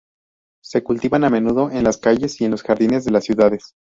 Se cultivan a menudo en las calles y en los jardines de las ciudades.